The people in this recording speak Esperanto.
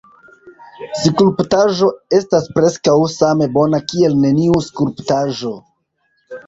Skulptaĵo estas preskaŭ same bona kiel neniu skulptaĵo.